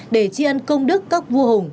để tri ân công đức các vua hùng